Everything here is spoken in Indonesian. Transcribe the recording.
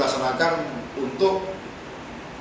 ke arah kelare bungkuran utara